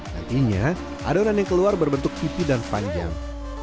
nantinya adonan yang keluar berbentuk pipi dan panjang